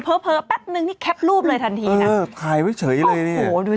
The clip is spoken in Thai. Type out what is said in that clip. เผลอแป๊บนึงนี่แคปรูปเลยทันทีนะเออถ่ายไว้เฉยเลยนี่โอ้โหดูสิ